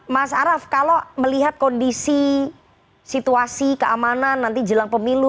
mas araf kalau melihat kondisi situasi keamanan nanti jelang pemilu